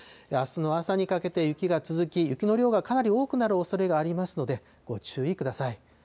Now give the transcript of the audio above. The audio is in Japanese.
あすの朝にかけて雪が続き、雪の量がかなり多くなるおそれがありますので、ご注意ください。